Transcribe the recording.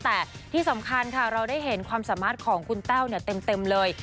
แต่ที่สำคัญค่ะเราได้เห็นความสามารถของคุณแต้วเต็มเลย